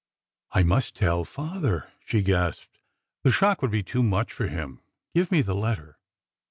'" I must tell father," she gasped. The shock would be too much for him. Give me the letter."